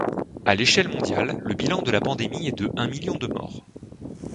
A l'échelle mondiale, le bilan de la pandémie est de un million de morts.